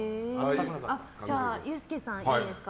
じゃあ、ユースケさんいいですか。